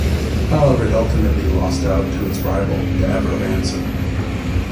However, it ultimately lost out to its rival, the Avro Anson.